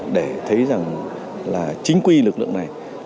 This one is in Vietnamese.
để thấy rằng là chính quy lực lượng này